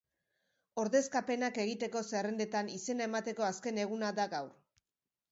Ordezkapenak egiteko zerrendetan izena emateko azken eguna da gaur.